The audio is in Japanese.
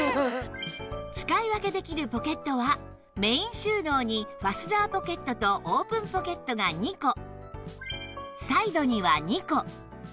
使い分けできるポケットはメイン収納にファスナーポケットとオープンポケットが２個サイドには２個